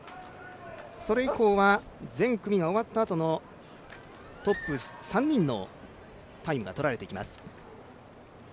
それ以降は全組が終わったあとのトップ３人のタイムがとられていきます。